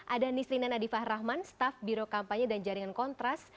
ada nislinan adifah rahman staf biro kampanye dan jaringan kontras